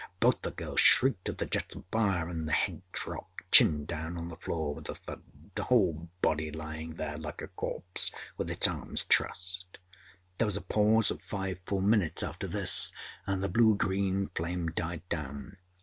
Both the girls shrieked at the jet of fire and the head dropped, chin down, on the floor with a thud; the whole body lying then like a corpse with its arms trussed. There was a pause of five full minutes after this, and the blue green flame died down.